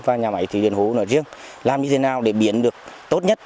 và nhà máy thủy điện hồ hồ nói riêng làm như thế nào để biến được tốt nhất